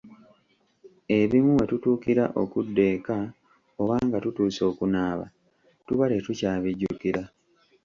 Ebimu we tutuukira okudda eka oba nga tutuuse okunaaba tuba tetukyabijjukira.